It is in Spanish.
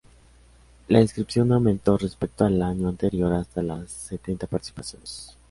La inscripción aumentó respecto al año anterior hasta los setenta participantes.